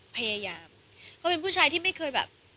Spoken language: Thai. พยายามเขาเป็นผู้ชายที่ไม่เคยแบบ